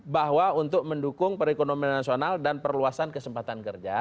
bahwa untuk mendukung perekonomian nasional dan perluasan kesempatan kerja